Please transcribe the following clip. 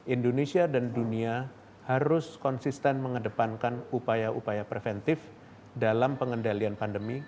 indonesia dan dunia harus konsisten mengedepankan upaya upaya preventif dalam pengendalian pandemi